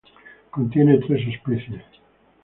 Contiene tres especies.